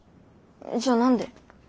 じゃ何で？